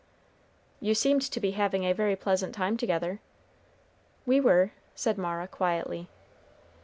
"You seemed to be having a very pleasant time together?" "We were," said Mara, quietly.